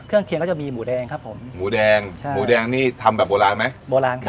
เคียงก็จะมีหมูแดงครับผมหมูแดงใช่หมูแดงนี่ทำแบบโบราณไหมโบราณครับ